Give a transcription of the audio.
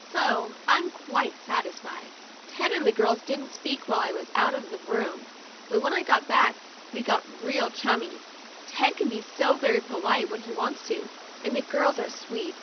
So I'm quite satisfied. Ted and the girls didn't speak while I was out of the room ; but when I got back, we all got real chummy. Ted can be so very polite when he wants to, and the girls are sweet.